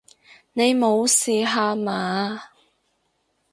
你無事吓嘛！